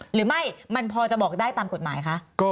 หรือไม่มันพอจะบอกได้ตามกฎหมายคะ